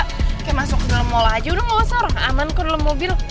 kayak masuk ke dalam mall aja udah gak usah orang aman kok dalam mobil